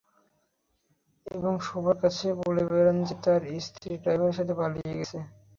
এবং সবার কাছে বলে বেড়িয়েছে যে, তার স্ত্রী ড্রাইভারের সাথে পালিয়ে গেছে।